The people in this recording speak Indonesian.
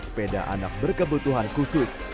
sepeda anak berkebutuhan khusus